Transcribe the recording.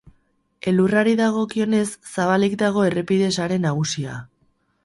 Elurrari dagokionez, zabalik dago errepide sare nagusia.